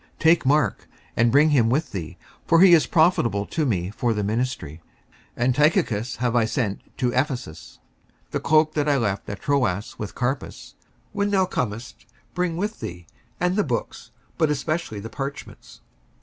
Take Mark, and bring him with thee: for he is profitable to me for the ministry. 55:004:012 And Tychicus have I sent to Ephesus. 55:004:013 The cloke that I left at Troas with Carpus, when thou comest, bring with thee, and the books, but especially the parchments.